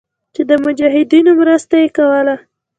چې د مجاهدينو مرسته ئې کوله.